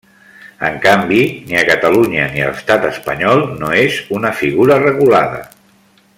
En canvi, ni a Catalunya ni a l'estat espanyol no és una figura regulada.